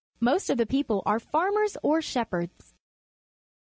^Most of the people are farmers or shepherd's.